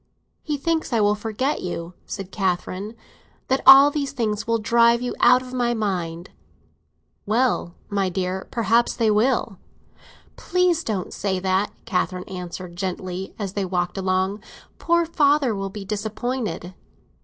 "He thinks I will forget you," said Catherine: "that all these things will drive you out of my mind." "Well, my dear, perhaps they will!" "Please don't say that," Catherine answered gently, as they walked along. "Poor father will be disappointed."